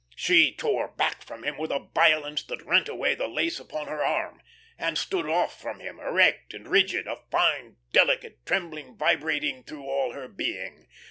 She tore back from him with a violence that rent away the lace upon her arm, and stood off from him, erect and rigid, a fine, delicate, trembling vibrating through all her being.